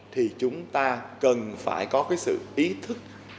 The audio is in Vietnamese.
thì chúng ta cần phải có cái sự ý thức